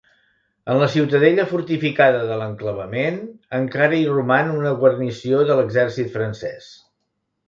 En la ciutadella fortificada de l'enclavament, encara hi roman una guarnició de l'exèrcit francès.